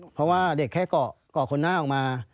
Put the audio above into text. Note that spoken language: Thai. เพราะว่าเด็กแค่เกาะคนหน้าออกมา